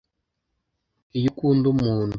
iyo ukunda umuntu